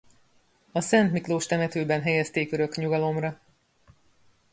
A Szent Miklós temetőben helyezték örök nyugalomra.